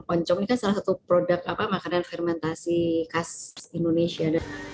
oncom ini kan salah satu produk makanan fermentasi khas indonesia